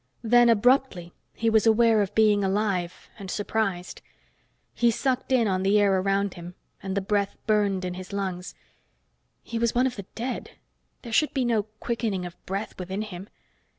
Then, abruptly, he was aware of being alive, and surprised. He sucked in on the air around him, and the breath burned in his lungs. He was one of the dead there should be no quickening of breath within him!